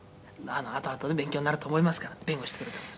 「“あとあとね勉強になると思いますから”って弁護してくれたんです」